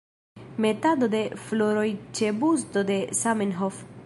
Metado de floroj ĉe busto de Zamenhof.